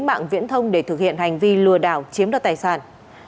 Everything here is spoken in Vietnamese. mạng viễn thông để thực hiện hành vi lừa đảo chiếm đoạt tài sản